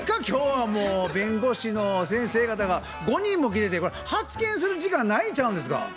今日はもう弁護士の先生方が５人も来ててこれは発言する時間ないんちゃうんですか？